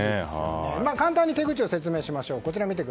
簡単に手口を説明しましょう。